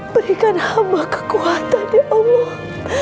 berikan hamba kekuatan dari allah